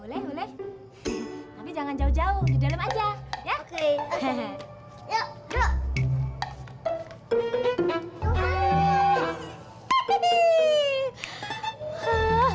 boleh boleh tapi jangan jauh jauh di dalam aja ya oke yuk